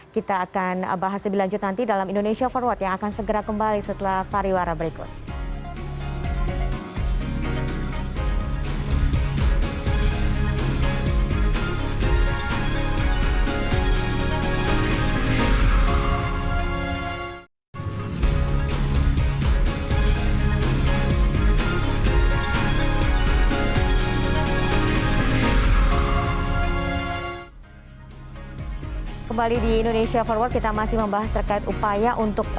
kita akan bahas lebih lanjut nanti dalam indonesia forward yang akan segera kembali setelah pariwara berikut